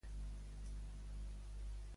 A què més a fet referència Celáa?